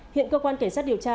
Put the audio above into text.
hiện cơ quan cảnh sát điều tra